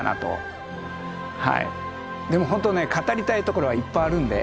でもほんとね語りたいところはいっぱいあるんで。